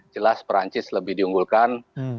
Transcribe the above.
jelas perancis lebih diunggulkan